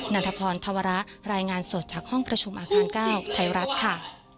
นันทพรธวระรายงานสดจากห้องคุณผู้ชมอาคารก้าวไทยรัตน์ค่ะ